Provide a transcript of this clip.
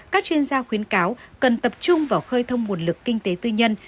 các chuyên gia khuyến cáo cần tập trung vào khơi thông nguồn lực kinh tế tư nhân